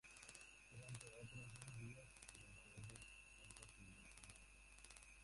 Durante otros dos días los verdes son perseguidos sin cesar.